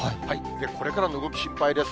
これからの動き心配です。